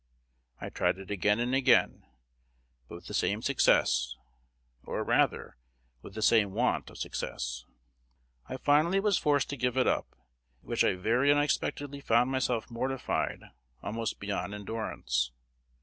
I tried it again and again, but with the same success, or rather with the same want of success. I finally was forced to give it up; at which I verry unexpectedly found myself mortified almost beyond endurance.